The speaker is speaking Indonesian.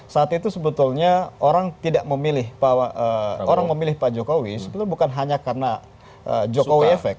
saat itu sebetulnya orang memilih pak jokowi bukan hanya karena jokowi efek